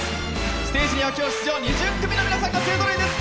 ステージには今日、出場２０組の皆さんが勢ぞろいです。